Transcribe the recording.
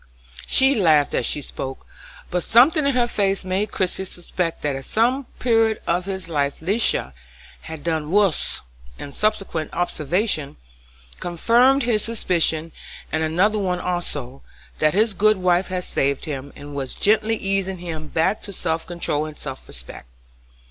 She laughed as she spoke, but something in her face made Christie suspect that at some period of his life Lisha had done "wuss;" and subsequent observations confirmed this suspicion and another one also,—that his good wife had saved him, and was gently easing him back to self control and self respect.